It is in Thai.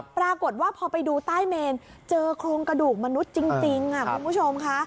ปรากฏว่าพอไปดูใต้เมนเจอโครงกระดูกมนุษย์จริงคุณผู้ชมค่ะ